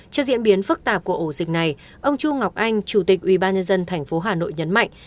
trước diễn biến phức tạp của ổ dịch này ông chu ngọc anh chủ tịch ubnd tp hà nội nhấn mạnh